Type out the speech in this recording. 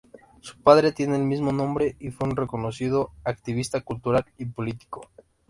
Su padre tiene el mismo nombre y fue un reconocido activista cultural y político.